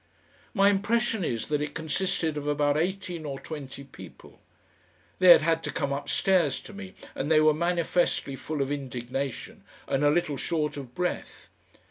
My impression is that it consisted of about eighteen or twenty people. They had had to come upstairs to me and they were manifestly full of indignation and a little short of breath.